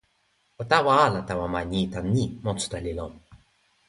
o tawa ala tawa ma ni tan ni: monsuta li lon.